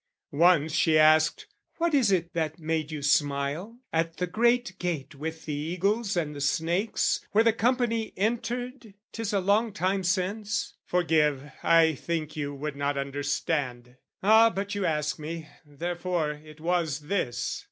Once she asked, "What is it that made you smile, "At the great gate with the eagles and the snakes, "Where the company entered, 'tis a long time since?" " Forgive I think you would not understand: "Ah, but you ask me, therefore, it was this.